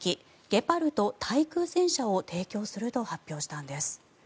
ゲパルト対空戦車を提供すると発表したんです。